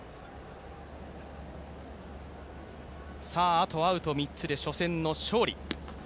あとアウト３つで初戦の勝利。